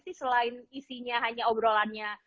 selain isinya hanya obrolannya